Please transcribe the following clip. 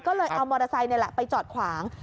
ก็เลยเอามอเตอร์ไซค์นี่แหละไปจอดขวาง